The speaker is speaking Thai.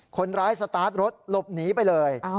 คนร้ายสตาร์ทรถหลบหนีไปเลย